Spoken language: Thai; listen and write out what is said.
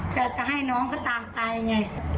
แต่จะให้น้องเขาตามไปไง